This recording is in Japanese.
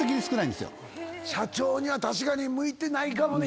社長には確かに向いてないかもね。